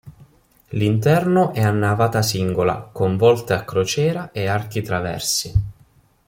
L'interno è a navata singola, con volte a crociera e archi traversi.